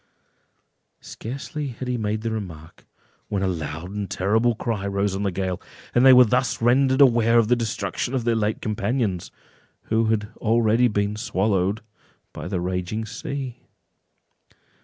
Scarcely had he made the remark, when a loud and terrible cry rose on the gale, and they were thus rendered aware of the destruction of their late companions, who had already been swallowed by the raging sea.